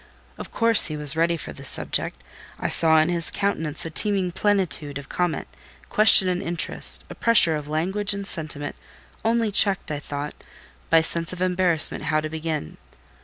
Of course he was ready for the subject: I saw in his countenance a teeming plenitude of comment, question and interest; a pressure of language and sentiment, only checked, I thought, by sense of embarrassment how to begin.